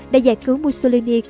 đã giải cứu mussolini